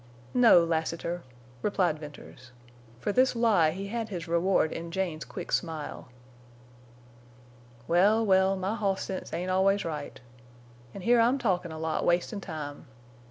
"No, Lassiter," replied Venters. For this lie he had his reward in Jane's quick smile. "Well, well, my hoss sense ain't always right. An' here I'm talkin' a lot, wastin' time.